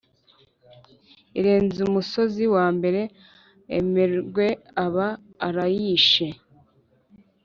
irenze umusozi wa mbere amerwe aba arayishe